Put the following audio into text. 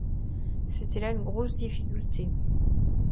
C’était là une grosse difficulté.